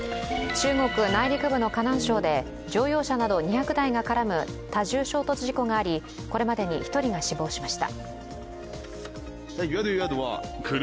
中国内陸部の河南省で乗用車など２００台が絡む多重衝突事故がありこれまでに１人が死亡しました。